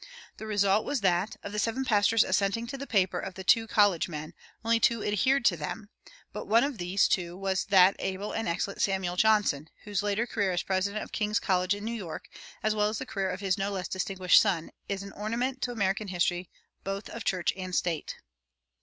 The result was that, of the seven pastors assenting to the paper of the two college men, only two adhered to them; but one of these two was that able and excellent Samuel Johnson, whose later career as president of King's College in New York, as well as the career of his no less distinguished son, is an ornament to American history both of church and state.